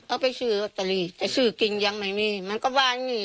อ้าวไปซื้อเป็นตารีแต่ซื้อกินยังไม่มีมันก็ว่านี่